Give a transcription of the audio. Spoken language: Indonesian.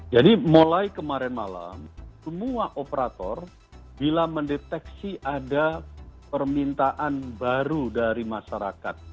jadi mulai kemarin malam semua operator bila mendeteksi ada permintaan baru dari masyarakat